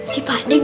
si pak d